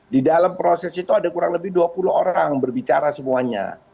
di dalam proses itu ada kurang lebih dua puluh orang berbicara semuanya